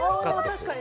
確かに。